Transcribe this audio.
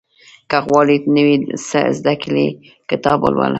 • که غواړې نوی څه زده کړې، کتاب ولوله.